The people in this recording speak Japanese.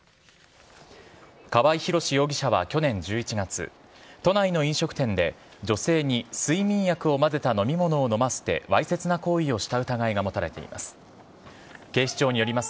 河合宏容疑者は去年１１月、都内の飲食店で、女性に睡眠薬を混ぜた飲み物を飲ませてわいせつな行為をした疑いが持たれています。